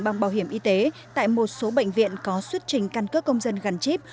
bằng bảo hiểm y tế tại một số bệnh viện có xuất trình căn cước công dân gắn chip